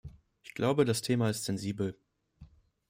Ich glaube, das Thema ist sensibel.